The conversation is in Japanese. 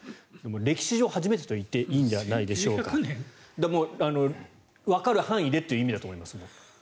歴史上、初めてと言っていいのではないでしょうかもうわかる範囲でという意味だと思いますね。